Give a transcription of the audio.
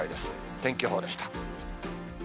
天気予報でした。